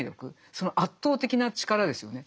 その圧倒的な力ですよね。